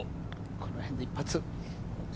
このへんで一発。